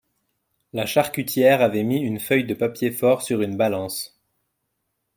La charcutière avait mis une feuille de papier fort sur une balance.